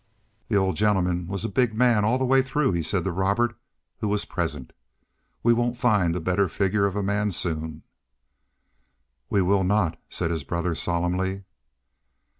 "The old gentleman was a big man all the way through," he said to Robert, who was present. "We won't find a better figure of a man soon." "We will not," said his brother, solemnly.